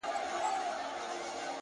اوس له خپل ځان څخه پردى يمه زه;